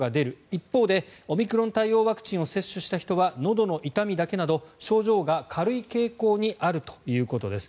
一方でオミクロン対応ワクチンを接種した人はのどの痛みだけなど症状が軽い傾向にあるということです。